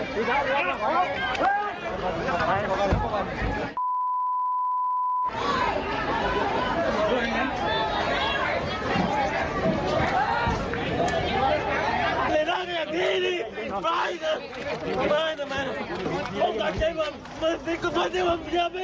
ผมตั้งใจมันมันติดกับคนที่ผมเชื่อไม่ได้